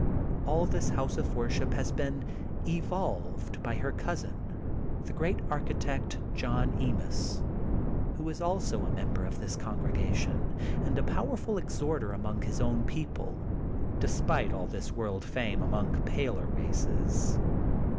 All this house of worship has been evolved by her cousin, the great architect John Emis, who is also a member of this congregation, and a powerful exhorter among his own people, despite all his world fame among paler races.